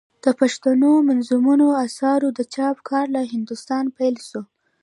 د پښتو دمنظومو آثارو د چاپ کار له هندوستانه پيل سو.